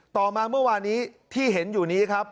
ต่อมาเมื่อวานนี้ที่เห็นอยู่นี้ครับ